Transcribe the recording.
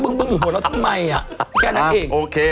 เพิ่งอยู่หัวเราะทำไมอะแค่นักเอง